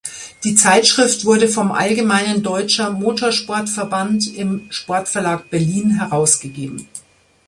Die Zeitschrift wurde vom Allgemeinen Deutscher Motorsport-Verband im Sportverlag Berlin herausgegeben.